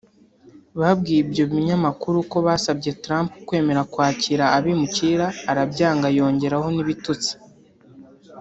babwiye ibyo binyamakuru ko basabye Trump kwemera kwakira abimukira arabyanga yongeraho n’ibitutsi